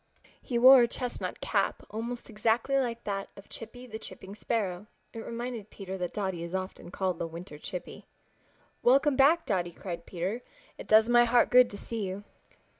He wore a chestnut cap, almost exactly like that of Chippy the Chipping Sparrow. It reminded Peter that Dotty is often called the Winter Chippy. "Welcome back, Dotty!" cried Peter. "It does my heart good to see you."